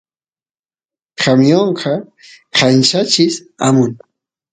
camionqa kanchachis amun